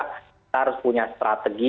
kita harus punya strategi